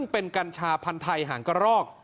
เป็นกัญชาพันธุ์ไทยหางกระรอก